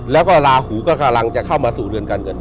แล้วก็ลาหูก็กำลังจะเข้ามาสู่เรือนการเงิน